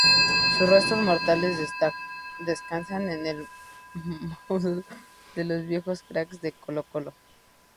Sus restos mortales descansan en el Mausoleo de los Viejos Cracks de Colo-Colo.